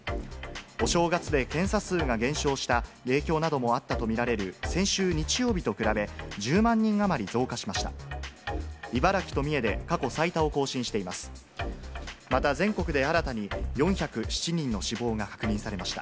お正月で検査数が減少した影響などもあったと見られる先週日曜日と比べ、１０万人余り増加しました。